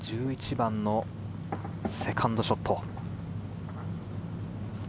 １１番のセカンドショット。